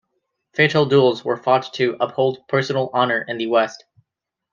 Fatal duels were fought to uphold personal honor in the West.